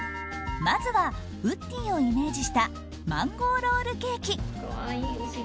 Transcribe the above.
まずはウッディをイメージしたマンゴーロールケーキ。